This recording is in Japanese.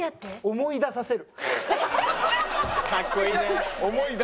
思い出させる。